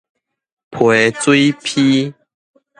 批水披